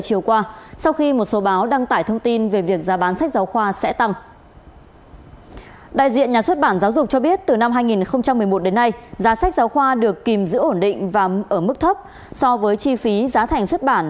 các giáo khoa được kìm giữ ổn định và ở mức thấp so với chi phí giá thành xuất bản